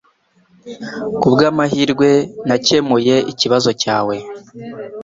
Kubwamahirwe, nakemuye ikibazo cyawe.